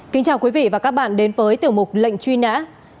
kính chào quý vị và các bạn đến với tiểu mục lệnh truy nã